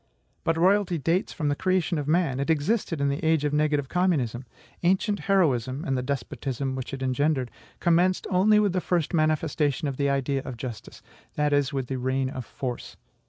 But royalty dates from the creation of man; it existed in the age of negative communism. Ancient heroism (and the despotism which it engendered) commenced only with the first manifestation of the idea of justice; that is, with the reign of force.